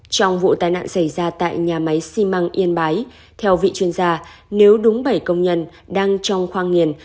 trong vụ tai nạn xảy ra tại nhà máy xi măng yên bái theo vị chuyên gia nếu đúng bảy công nhân đang trong khoang nghiền